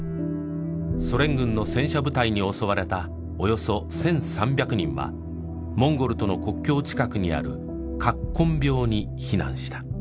ソ連軍の戦車部隊に襲われたおよそ１３００人はモンゴルとの国境近くにある葛根廟に避難した。